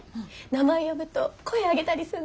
名前呼ぶと声上げたりするの。